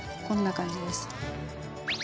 こんな感じです。